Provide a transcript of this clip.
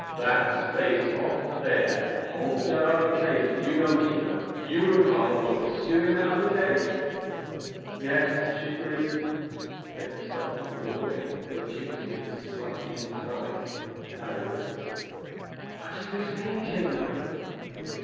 "That space off there holds our other cage as you know, Tina. You and Harl were pursuing that other cage?" "Yes," she agreed. They had stopped at the doorway, where Tugh stood slightly inside. Larry whispered: "What does this mean, Tina?"